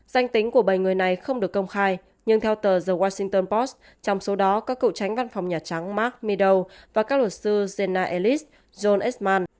danh tính của bảy người này không được công khai nhưng theo tờ the washington post trong số đó có cựu tránh văn phòng nhà trắng mark meadow và các luật sư jenna ellis john edmund